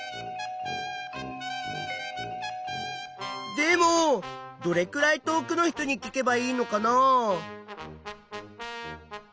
でもどれくらい遠くの人に聞けばいいのかな？